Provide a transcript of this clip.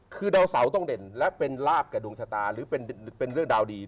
คือดาวเสาต้องเด่นและเป็นลาบแก่ดวงชะตาหรือเป็นเรื่องราวดี